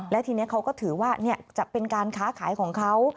และทีนี้เขาก็ถือว่าจะเป็นการค้าขายของเขา